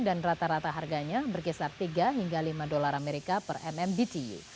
dan rata rata harganya berkisar tiga hingga lima dolar amerika per mm btu